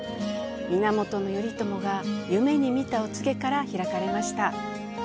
源頼朝が夢に見たお告げから開かれました。